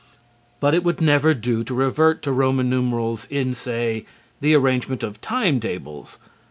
But it would never do to revert to Roman numerals in, say, the arrangement of time tables.